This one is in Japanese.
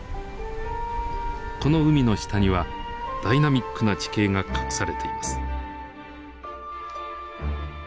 この海の下にはダイナミックな地形が隠されています。